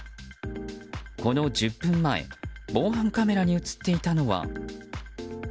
この１０分前防犯カメラに映っていたのは。